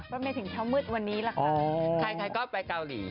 ก็ไม่ถึงเช้ามืดวันนี้ล่ะค่ะใครใครก็ไปเกาหลี